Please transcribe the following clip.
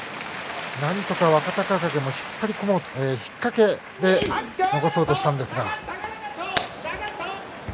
なんとか若隆景も引っかけて残そうとしたんですが。